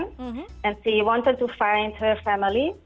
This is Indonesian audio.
dan dia ingin menemukan keluarga dia